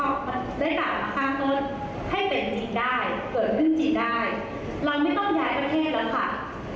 เราแค่มาโน่งใจกันเปลี่ยนผู้หน่าง่ายกว่า